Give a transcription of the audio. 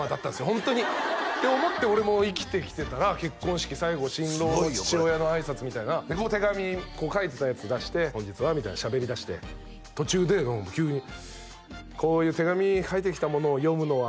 ホントにって思って俺も生きてきてたら結婚式最後新郎の父親のあいさつみたいな手紙書いてたやつ出して「本日は」みたいなしゃべりだして途中で急に「こういう手紙書いてきたものを読むのは」